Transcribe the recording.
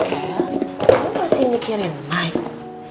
kamu masih mikirin mike